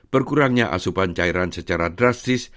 berkurangnya asupan cairan secara drastis